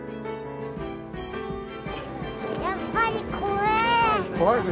やっぱり怖え。